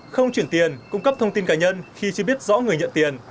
không chuyển tiền cung cấp thông tin cá nhân khi chưa biết rõ người nhận tiền